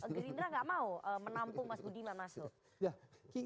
gerindra nggak mau menampung mas budiman masuk